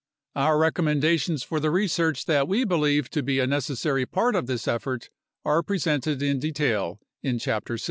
Our recommendations for the research that we believe to be a necessary part of this effort are presented in detail in Chapter 6.